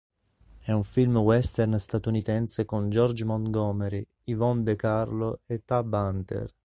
È un film western statunitense con George Montgomery, Yvonne De Carlo e Tab Hunter.